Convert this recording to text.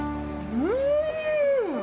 うん。